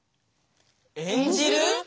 演じる？